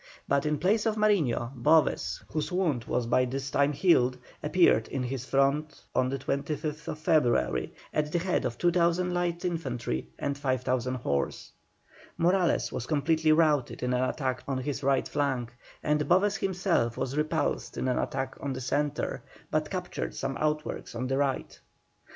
But in place of Mariño, Boves, whose wound was by this time healed, appeared in his front on the 25th February, at the head of 2,000 light infantry and 5,000 horse. Morales was completely routed in an attack on his right flank, and Boves himself was repulsed in an attack on the centre, but captured some outworks on the right.